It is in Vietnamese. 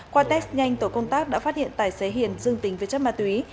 qua test nhanh tổ công tác đã phát hiện tài xế hiền dưng tính với chất ma túy